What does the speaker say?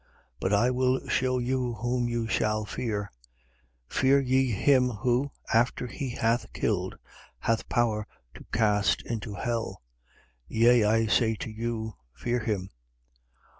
12:5. But I will shew you whom you shall fear: Fear ye him who, after he hath killed, hath power to cast into hell. Yea, I say to you: Fear him.